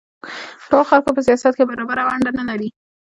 ټولو خلکو په سیاست کې برابره ونډه نه لرله